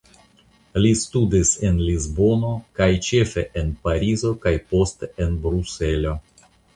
Li studis en Lisbono kaj ĉefe en Parizo kaj poste en Bruselo.